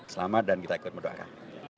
selamat dan kita ikut mendoakan